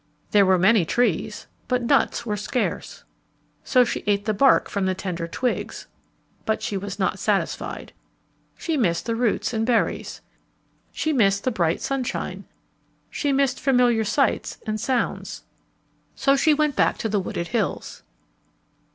There were many trees, but nuts were scarce. So she ate the bark from the tender twigs. But she was not satisfied. She missed the roots and berries. She missed the bright sunshine. She missed familiar sights and sounds. So she soon went back to the wooded hills.